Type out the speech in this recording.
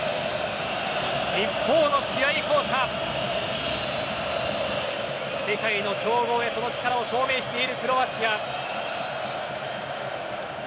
一方の試合巧者世界の強豪へその力を証明しているクロアチア。